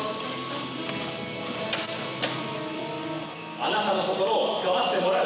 あなたの心をつかませてもらう。